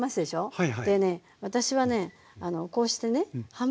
はい。